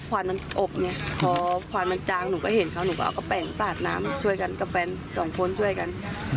ไฟมันกำลังโหมตรงนั้น